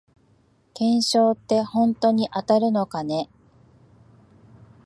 懸賞ってほんとに当たるのかね